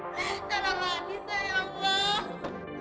jangan lagi sayang ya allah